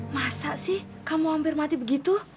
masa sih kamu hampir mati begitu